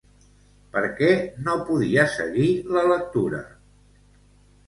Per què no podia seguir la lectura?